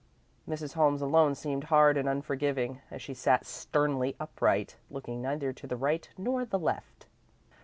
Mrs. Holmes alone seemed hard and unforgiving, as she sat sternly upright, looking neither to the right nor the left.